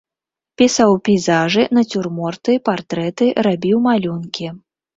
Пісаў пейзажы, нацюрморты, партрэты, рабіў малюнкі.